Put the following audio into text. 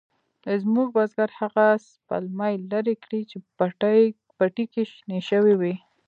زموږ بزگر هغه سپلمۍ لرې کړې چې پټي کې شنې شوې وې.